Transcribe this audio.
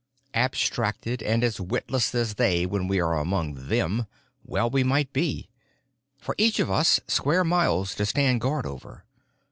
Abstracted and as witless as they when we are among them—well we might be. For each of us, square miles to stand guard over.